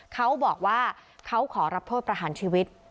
เขาบอกว่าเขาขอรับโทษประหารชีวิต